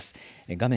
画面